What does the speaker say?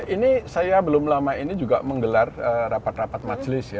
ini saya belum lama ini juga menggelar rapat rapat majelis ya